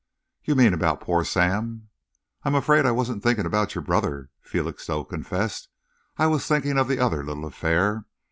"You mean about poor Sam?" "I'm afraid I wasn't thinking about your brother," Felixstowe confessed. "I was thinking of the other little affair.